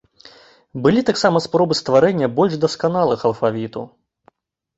Былі таксама спробы стварэння больш дасканалых алфавітаў.